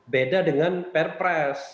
beda dengan perpres